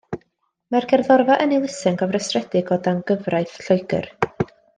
Mae'r gerddorfa yn elusen gofrestredig o dan gyfraith Lloegr.